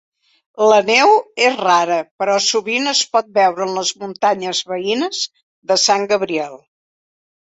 La neu és rara, però sovint es pot veure en les muntanyes veïnes de Sant Gabriel.